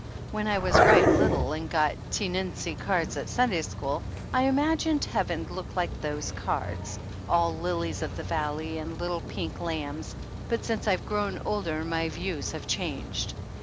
When I was right little and got tee ninsy cards at Sun day school I imagined Heaven looked like those cards, all lilies of the valley and little pink lambs, but since I've grown older my views have changed.